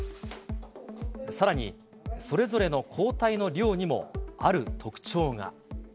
さらに、それぞれの抗体の量にもある特徴が。